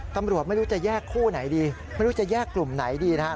ตำรวจไม่รู้จะแยกคู่ไหนดีไม่รู้จะแยกกลุ่มไหนดีนะครับ